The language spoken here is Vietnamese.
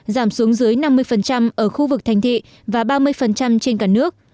giảm xuống dưới năm mươi ở khu vực thành thị và ba mươi trên cả nước